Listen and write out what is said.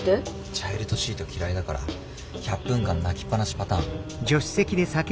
チャイルドシート嫌いだから１００分間泣きっぱなしパターン。